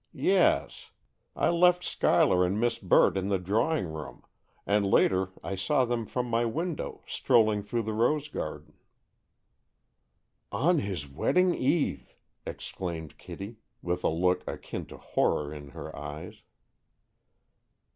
Yes,—I left Schuyler and Miss Burt in the drawing room, and later I saw them from my window, strolling through the rose garden." "On his wedding eve!" exclaimed Kitty, with a look akin to horror in her eyes.